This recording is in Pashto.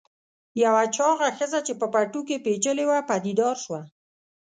یوه چاغه ښځه چې په پټو کې پیچلې وه پدیدار شوه.